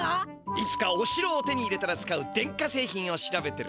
いつかおしろを手に入れたら使う電化せい品を調べてるのさ。